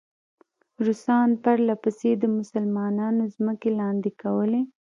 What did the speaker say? روسان پرله پسې د مسلمانانو ځمکې لاندې کولې.